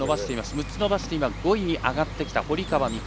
６つ伸ばして５位に上がってきた堀川未来